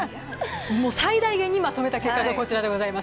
最大限にまとめた結果がこちらになります。